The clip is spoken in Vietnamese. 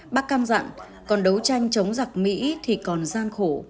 bác cam dặn còn đấu tranh chống giặc mỹ thì còn gian khổ